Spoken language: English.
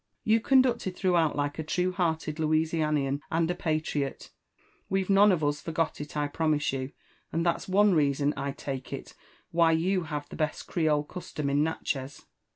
You conducted throughout like a true hearted Louisia nian and a patriot. We've none of us forgot it, I promise you ; and that's one reason, I lake it, why you have the best Creole custom in Natchez."